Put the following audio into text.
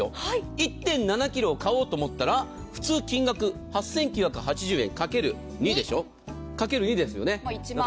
１．７ｋｇを買おうと思ったら普通、金額８９８０円掛ける２ですよね。